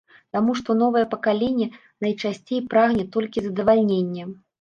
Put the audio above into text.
Таму што новае пакаленне найчасцей прагне толькі задавальнення.